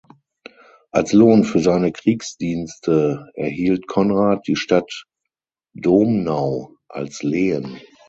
Als Lohn für seine Kriegsdienste erhielt Konrad die Stadt Domnau als Lehen.